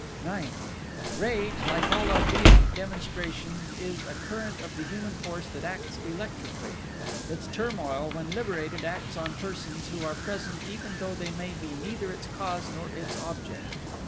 IX Rage, like all our vehement demonstrations, is a current of the human force that acts electrically; its turmoil when liberated acts on persons who are present even though they be neither its cause nor its object.